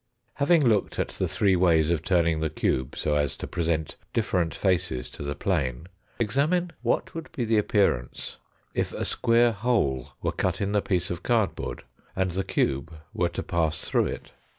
Having looked at the three ways of turning the cube so as to present different faces to the plane, examine what would be the appearance if a square hole were cut in the piece of cardboard, and the cube were to pass through it.